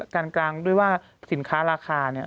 กลางด้วยว่าสินค้าราคาเนี่ย